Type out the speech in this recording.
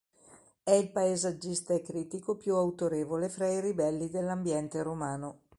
È il paesaggista e critico più autorevole fra i ribelli dell'ambiente romano.